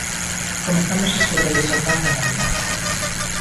Comezamos este telexornal na Mariña.